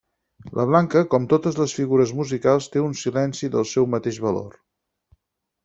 La blanca, com totes les figures musicals, té un silenci del seu mateix valor.